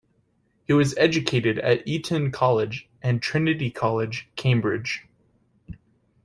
He was educated at Eton College and Trinity College, Cambridge.